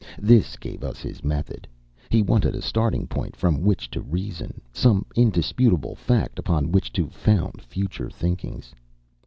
This gave us his method. He wanted a starting point from which to reason, some indisputable fact upon which to found future thinkings.